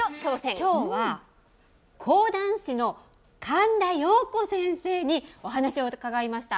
きょうは講談師の神田陽子先生にお話を伺いました。